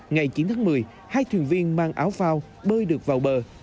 ngày chín tháng một mươi hai thuyền viên mang áo phao bơi được vào bờ